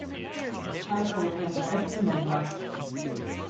I call him a demon runt.